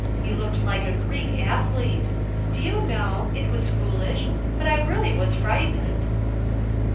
You looked like a Greek athlete. Do you know it was foolish but I really was frightened."